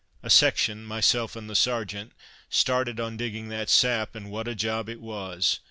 A section, myself and the sergeant, started on digging that sap, and what a job it was!